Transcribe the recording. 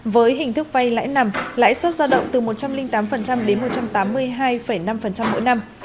với hình thức vay lãi nặng lãi suất ra động từ một trăm linh tám đến một trăm tám mươi hai năm mỗi năm